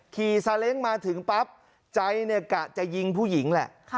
ซาเล้งมาถึงปั๊บใจเนี่ยกะจะยิงผู้หญิงแหละ